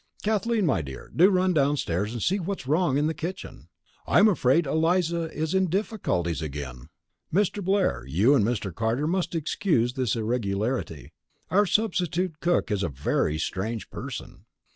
"Kathleen, my dear, do run downstairs and see what's wrong in the kitchen. I'm afraid Eliza is in difficulties again. Mr. Blair, you and Mr. Carter must excuse this irregularity. Our substitute cook is a very strange person."